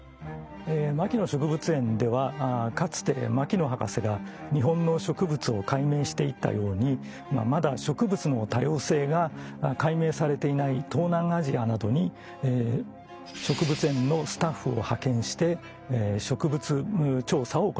牧野植物園ではかつて牧野博士が日本の植物を解明していったようにまだ植物の多様性が解明されていない東南アジアなどに植物園のスタッフを派遣して植物調査を行っております。